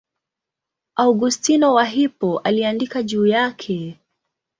Augustino wa Hippo aliandika juu yake.